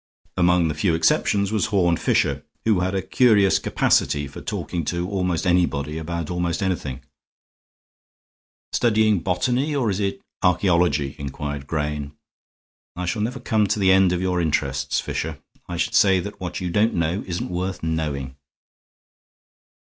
Among the few exceptions was Horne Fisher, who had a curious capacity for talking to almost anybody about almost anything. "Studying botany, or is it archaeology?" inquired Grayne. "I shall never come to the end of your interests, Fisher. I should say that what you don't know isn't worth knowing."